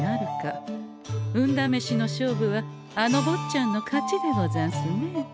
運だめしの勝負はあのぼっちゃんの勝ちでござんすね。